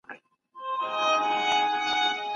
فشار د موسکا کچه کموي.